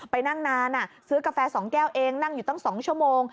ไปนั่งนานซื้อกาแฟ๒แก้วเองนั่งอยู่ตั้ง๒ชั่วโมง